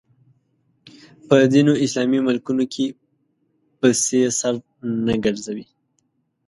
په ځینو اسلامي ملکونو کې پسې سر نه ګرځوي